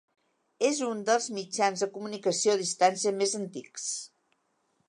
És un dels mitjans de comunicació a distància més antics.